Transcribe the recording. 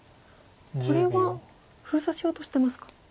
これは封鎖しようとしてますか？